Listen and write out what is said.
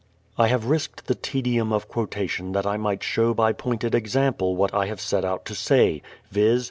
I have risked the tedium of quotation that I might show by pointed example what I have set out to say, viz.